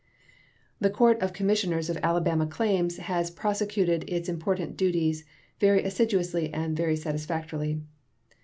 The Court of Commissioners of Alabama Claims has prosecuted its important duties very assiduously and very satisfactorily.